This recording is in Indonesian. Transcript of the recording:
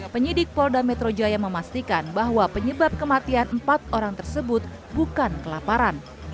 penyidik polda metro jaya memastikan bahwa penyebab kematian empat orang tersebut bukan kelaparan